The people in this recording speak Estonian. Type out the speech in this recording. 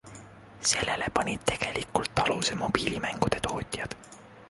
Sellele panid tegelikult aluse mobiilimängude tootjad.